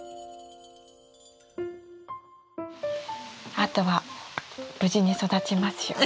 あとは無事に育ちますように。